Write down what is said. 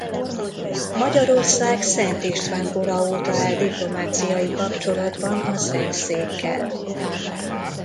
Magyarország Szent István kora óta áll diplomáciai kapcsolatban a Szentszékkel.